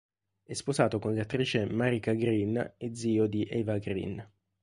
È sposato con l'attrice Marika Green e zio di Eva Green.